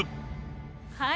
はい。